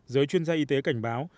giới chuyên gia y tế cảnh báo